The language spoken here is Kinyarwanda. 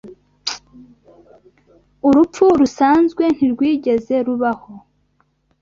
Urupfu rusanzwe ntirwigeze rubaho